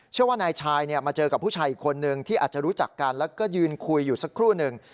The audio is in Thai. เชื่อว่านายชายมาเจอกับผู้ชายอีกคนนึงที่อาจจะรู้จักกันแล้วก็ยืนคุยอยู่สักครู่หนึ่ง